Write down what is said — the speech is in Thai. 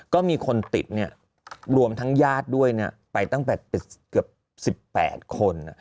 ก็มีคนติดหลวมทั้งญาติด้วยนะไปเกือบ๑๘คน